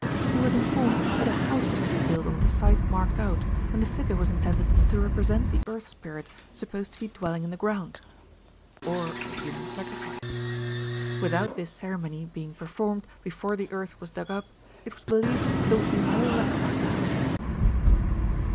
He was informed that a house was to be built on the site marked out, and the figure was intended to represent the earth spirit supposed to be dwelling in the ground (or a human sacrifice?). Without this ceremony being performed before the earth was dug up, it was believed that there would be no luck about the house.